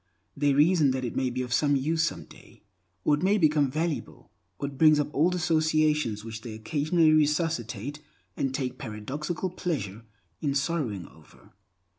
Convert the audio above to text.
They reason that it may be of some use someday; or it may become valuable; or it brings up old associations which they occasionally resuscitate and take a paradoxical pleasure in sorrowing over.